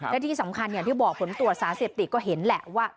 และที่สำคัญอย่างที่บอกผลตรวจสารเสพติดก็เห็นแหละว่า